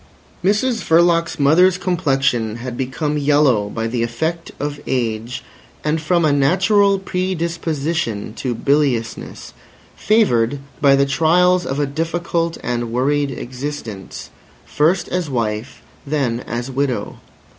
Mrs Verloc's mother's complexion had become yellow by the effect of age and from a natural predisposition to biliousness, favoured by the trials of a difficult and worried existence, first as wife, then as widow.